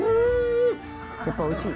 やっぱおいしい？